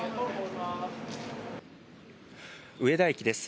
上田駅です。